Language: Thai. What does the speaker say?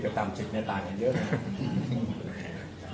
ก็คำว่าเกิน๑๐กับต่ำ๑๐ต่างันเยอะแบบนี้